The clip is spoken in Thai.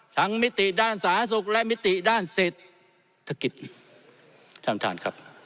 มิติด้านสาธารณสุขและมิติด้านเศรษฐกิจท่านท่านครับ